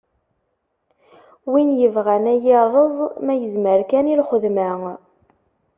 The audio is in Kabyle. Win yebɣan ad iyi-rreẓ, ma yezmer kan i lxedma.